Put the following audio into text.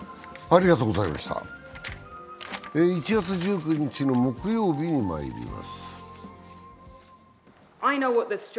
１月１９日の木曜日にまいります。